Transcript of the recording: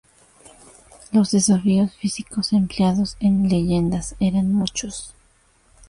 Los desafíos físicos empleados en "leyendas" eran muchos.